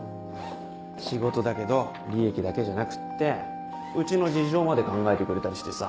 仕事だけど利益だけじゃなくってうちの事情まで考えてくれたりしてさ。